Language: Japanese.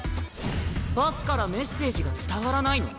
パスからメッセージが伝わらないの？